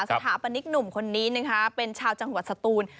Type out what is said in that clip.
สถาปนิกหนุ่มคนนี้นะคะเป็นชาวจังหวัดสตูน